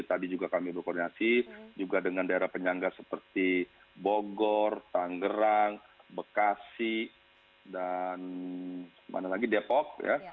tadi juga kami berkoordinasi juga dengan daerah penyangga seperti bogor tanggerang bekasi dan mana lagi depok